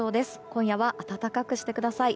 今夜は暖かくしてください。